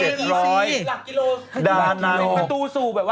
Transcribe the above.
หลักกิโลกรัมประตูสู่แบบว่า